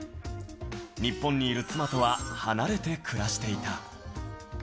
日本にいる妻とは、離れて暮らしていた。